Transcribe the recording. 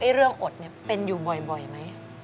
เรื่องอดเนี่ยเป็นอยู่บ่อยไหม